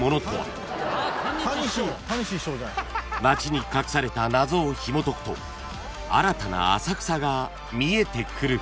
［街に隠された謎をひもとくと新たな浅草が見えてくる］